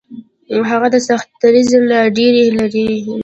هغه د سختدریځۍ لا ډېر لرې و.